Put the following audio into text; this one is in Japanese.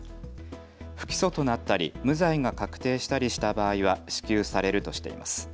不起訴となったり無罪が確定したりした場合は支給されるとしています。